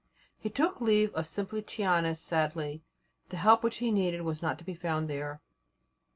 He took leave of Simplicianus sadly; the help which he needed was not to be found there.